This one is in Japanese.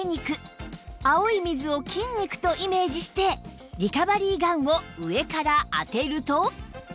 青い水を筋肉とイメージしてリカバリーガンを上から当てると？